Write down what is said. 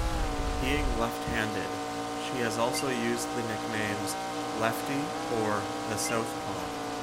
Being left-handed, she has also used the nicknames "Lefty" or "The Southpaw.